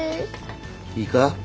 いいか。